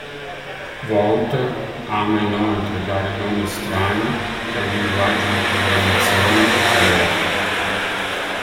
Wouter ama inoltre dare nomi strani ai linguaggi di programmazione che crea.